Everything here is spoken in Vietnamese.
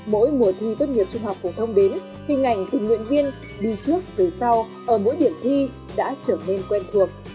mỗi mùa thi tốt nghiệp trung học phổ thông đến hình ảnh tình nguyện viên đi trước từ sau ở mỗi điểm thi đã trở nên quen thuộc